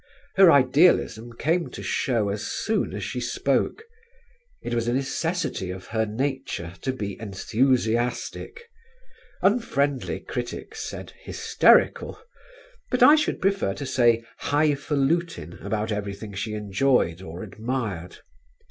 Her idealism came to show as soon as she spoke. It was a necessity of her nature to be enthusiastic; unfriendly critics said hysterical, but I should prefer to say high falutin' about everything she enjoyed or admired.